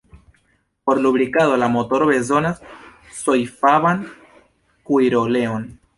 Por lubrikado la motoro bezonas sojfaban kuiroleon.